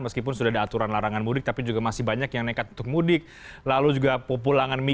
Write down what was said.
maka lonjakannya akan sangat tinggi